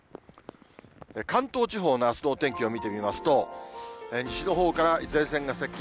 関東地方のあすのお天気を見てみますと、西のほうから前線が接近。